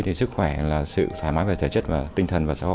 thì sức khỏe là sự thoải mái về thể chất và tinh thần và xã hội